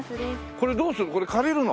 これどうするの？